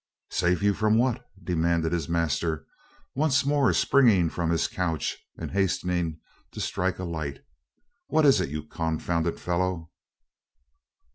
"Save you from what?" demanded his master, once more springing from his couch and hastening to strike a light. "What is it, you confounded fellow?"